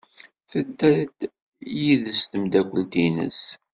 Tedda-d yid-s tmeddakelt-nnes.